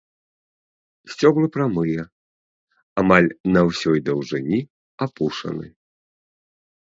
Сцёблы прамыя, амаль на ўсёй даўжыні апушаны.